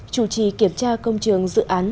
chủ trì kiểm tra công trường dự án